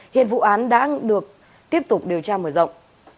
hiện vụ án đang được tiếp tục điều tra mở rộng